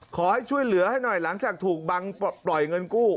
ขอให้ช่วยเหลือให้หน่อยหลังจากถูกบังปล่อยเงินกู้